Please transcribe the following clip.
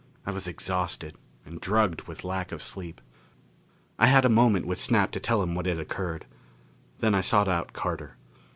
I was exhausted and drugged with lack of sleep. I had a moment with Snap to tell him what had occurred. Then I sought out Carter.